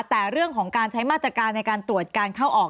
แต่เรื่องของการใช้มาตรการในการตรวจการเข้าออก